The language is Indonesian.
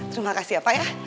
terima kasih apa ya